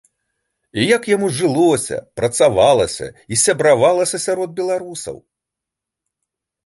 І як яму жылося, працавалася і сябравалася сярод беларусаў?